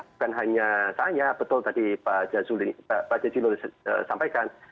bukan hanya saya betul tadi pak jazilul sampaikan